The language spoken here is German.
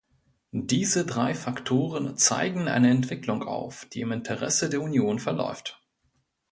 Diese drei Faktoren zeigen eine Entwicklung auf, die im Interesse der Union verläuft.